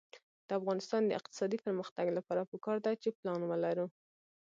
د افغانستان د اقتصادي پرمختګ لپاره پکار ده چې پلان ولرو.